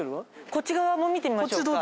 こっち側も見てみましょうか。